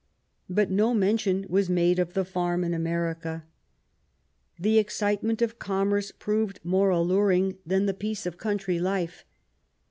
But na mention was made of the farm in America. The excite ment of commerce proved more alluring than the peace of country life.